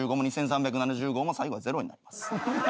３７５も２，３７５も最後は０になります。